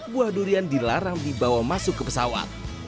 buah durian dilarang dibawa masuk ke pesawat